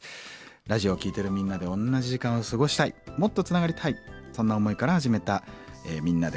ラジオを聴いてるみんなで同じ時間を過ごしたいもっとつながりたいそんな思いから始めた「みんなで乾杯」です。